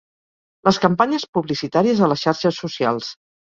Les campanyes publicitàries a les xarxes socials.